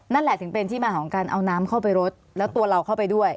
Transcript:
นั่นแหละถึงเป็นที่มาของการเอาน้ำเข้าไปรดแล้วตัวเราเข้าไปด้วย